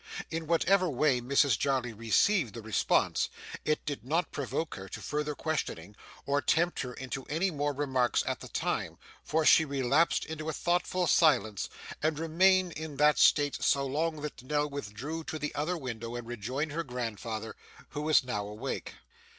In whatever way Mrs Jarley received the response, it did not provoke her to further questioning, or tempt her into any more remarks at the time, for she relapsed into a thoughtful silence, and remained in that state so long that Nell withdrew to the other window and rejoined her grandfather, who was now awake.